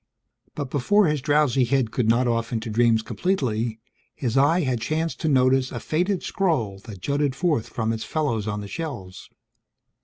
But before his drowsy head could nod off into dreams completely, his eye had chanced to notice a faded scroll that jutted forth from its fellows on the shelves.